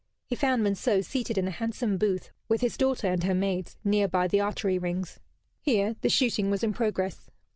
He found Monceux seated in a handsome booth, with his daughter and her maids, near by the archery rings. Here the shooting was in progress.